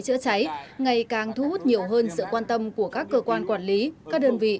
chữa cháy ngày càng thu hút nhiều hơn sự quan tâm của các cơ quan quản lý các đơn vị